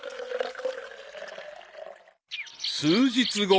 ［数日後］